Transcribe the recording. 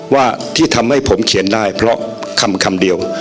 ว่าที่ทำให้ผมเขียนได้เพราะคำเดียว